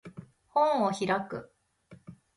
本を開く